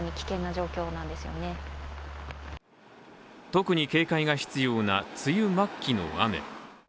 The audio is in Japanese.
特に警戒が必要な梅雨末期の雨。